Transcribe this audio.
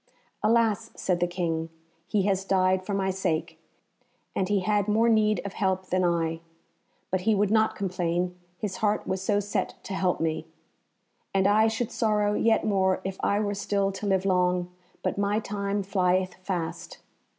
"Alas!" said the King, "he has died for my sake, and he had more need of help than I. But he would not complain, his heart was so set to help me. And I should sorrow yet more if I were still to live long, but my time flieth fast.